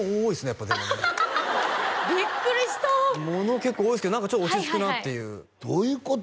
やっぱでもねビックリした物結構多いですけど何かちょっと落ち着くなっていうどういうこと？